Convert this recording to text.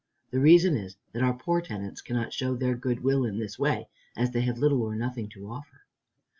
The reason is that our poor tenants cannot show their good will in this way, as they have little or nothing to offer."